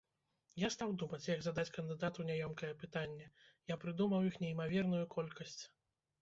Я стаў думаць, як задаць кандыдату няёмкае пытанне, я прыдумаў іх неймаверную колькасць!